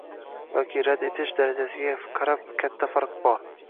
yoki rad etish darajasiga qarab katta farq bor: